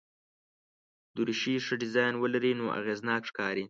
دریشي ښه ډیزاین ولري نو اغېزناک ښکاري.